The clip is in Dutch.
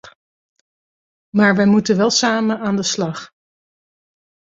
Maar wij moeten wel samen aan de slag.